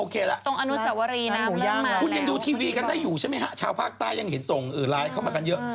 คุณยังดูทีวีกันได้อยู่ใช่มั้ยฮะชาวภาคใต้ยังเห็นส่งไลน์เข้ามากันเยอะ